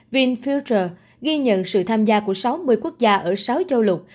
vinfael ghi nhận sự tham gia của sáu mươi quốc gia ở sáu châu lục